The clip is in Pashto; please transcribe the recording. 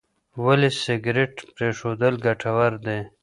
ولې سګریټ پرېښودل ګټور دي؟